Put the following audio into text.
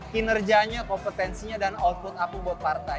kinerjanya kompetensinya dan output aku buat partai